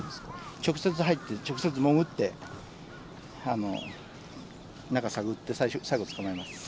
直接入って、直接潜って、中探って、最後捕まえます。